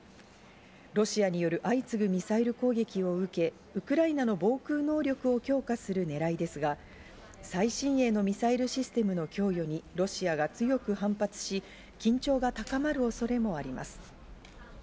ロシアによる相次ぐミサイル攻撃を受け、ウクライナの防空能力を強化するねらいですが、最新鋭のミサイルシステムの供与にロシアが強く反発し、緊張が高まる恐れもあります。